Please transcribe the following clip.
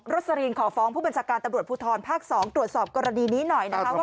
สลินขอฟ้องผู้บัญชาการตำรวจภูทรภาค๒ตรวจสอบกรณีนี้หน่อยนะคะว่า